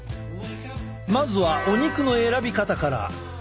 まずはお肉の選び方から。